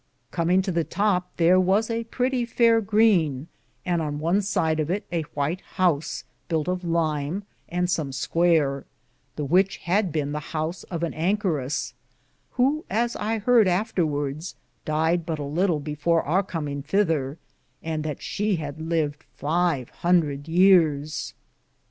Cominge to the top thare was a prittie fair grene, and on one sid of it a whyte house bulte of lyme, and some square, the whyche had bene the house of an ancoriste, who, as I harde after wardes, Died but a litle before our cominge thether, and that she had lived five hundrethe years.